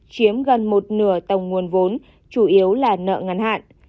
chiếm gần một nửa tổng nguồn vốn chủ yếu là nợ ngắn hạn